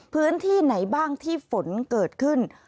พื้นที่ไหนบ้างที่ฝนเกิดขึ้น